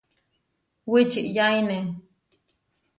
Wičiyaine.